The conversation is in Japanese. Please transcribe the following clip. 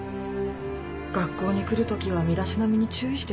学校に来るときは身だしなみに注意してくださいね。